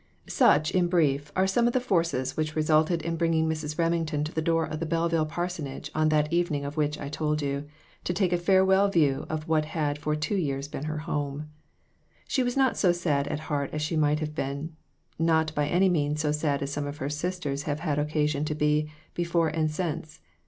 SUCH, in brief, are some of the forces which resulted in bringing Mrs. Remington to the door of the Belleville parsonage on that evening of which I told you, to take a farewell view of what had for two years been her home. She was not so sad at heart as she might have been ; not by any means so sad as some of her sis ters have had occasion to be, before and since.